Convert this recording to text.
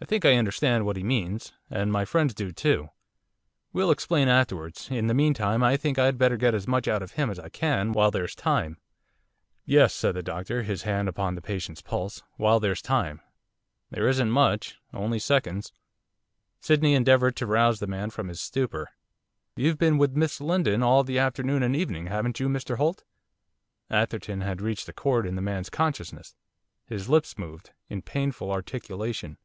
'I think I understand what he means, and my friends do too. We'll explain afterwards. In the meantime I think I'd better get as much out of him as I can, while there's time.' 'Yes,' said the doctor, his hand upon the patient's pulse, 'while there's time. There isn't much only seconds.' Sydney endeavoured to rouse the man from his stupor. 'You've been with Miss Lindon all the afternoon and evening, haven't you, Mr Holt?' Atherton had reached a chord in the man's consciousness. His lips moved, in painful articulation.